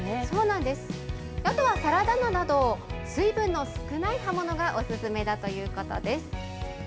あとはサラダ菜など、水分の少ない葉物がお勧めだということです。